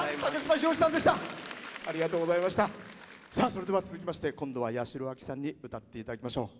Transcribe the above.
それでは続きまして今度は八代亜紀さんに歌っていただきましょう。